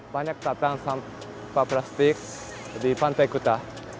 banyak tatan sampah plastik di pantai kuta